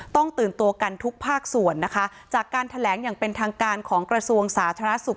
ต้องตื่นตัวกันทุกภาคส่วนนะคะจากการแถลงอย่างเป็นทางการของกระทรวงสาธารณสุข